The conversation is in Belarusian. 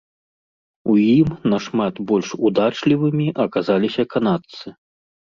У ім нашмат больш удачлівымі аказаліся канадцы.